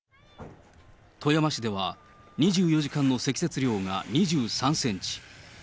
富山市では、２４時間の積雪量が２３センチ。